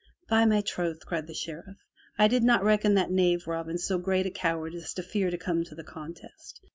"By my troth!'' cried the Sheriff. "I did not reckon that knave Robin so great a coward as to fear to come to the contest.